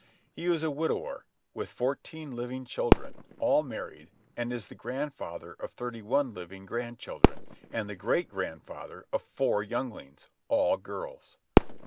He is a widower, with fourteen living children, all married, and is the grandfather of thirty one living grandchildren, and the great grandfather of four younglings, all girls.